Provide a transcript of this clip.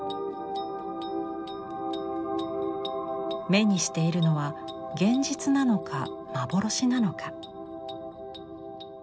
目にしているのは現実なのか幻なのか。